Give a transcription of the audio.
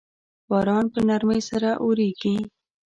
باران په نرمۍ سره اوریږي